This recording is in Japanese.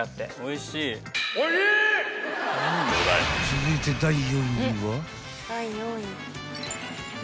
［続いて第４位は］